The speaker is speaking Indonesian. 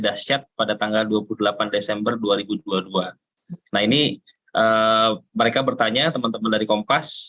dahsyat pada tanggal dua puluh delapan desember dua ribu dua puluh dua nah ini mereka bertanya teman teman dari kompas